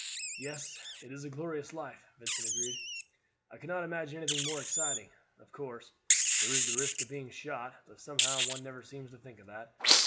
"Yes, it is a glorious life!" Vincent agreed. "I cannot imagine anything more exciting. Of course, there is the risk of being shot, but somehow one never seems to think of that.